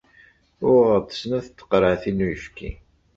Uɣeɣ-d snat n teqreɛtin n uyefki.